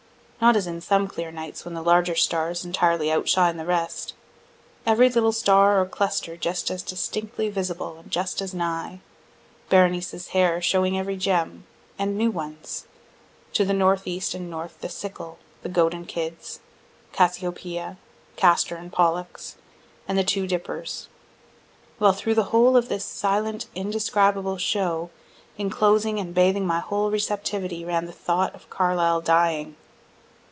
Not as in some clear nights when the larger stars entirely outshine the rest. Every little star or cluster just as distinctly visible, and just as nigh. Berenice's hair showing every gem, and new ones. To the northeast and north the Sickle, the Goat and kids, Cassiopeia, Castor and Pollux, and the two Dippers. While through the whole of this silent indescribable show, inclosing and bathing my whole receptivity, ran the thought of Carlyle dying.